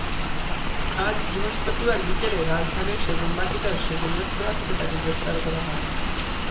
আজ বৃহস্পতিবার বিকেলে রাজধানীর সেগুনবাগিচার সেগুন রেস্তোরাঁ থেকে তাঁকে গ্রেপ্তার করা হয়।